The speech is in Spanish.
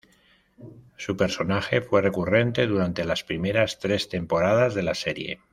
Su personaje fue recurrente durante las primeras tres temporadas de la serie.